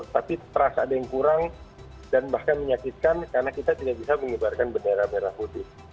tapi terasa ada yang kurang dan bahkan menyakitkan karena kita tidak bisa mengibarkan bendera merah putih